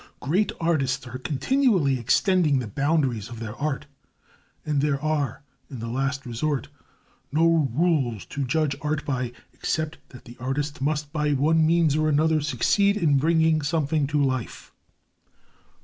Great artists are continually extending the boundaries of their art, and there are, in the last resort, no rules to judge art by except that the artist must by one means or another succeed in bringing something to life.